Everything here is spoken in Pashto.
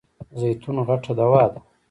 زیتون غټه دوا ده .